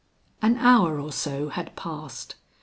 An hour or so had passed.